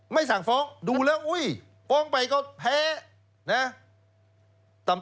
ไม่สั่งฟ้องดูแล้วอุ้ยฟ้องไปก็แพ้นะ